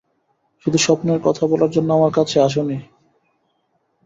শুধু স্বপ্নের কথা বলার জন্যে আমার কাছে আস নি।